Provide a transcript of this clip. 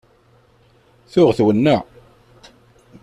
Tuɣ twennaε.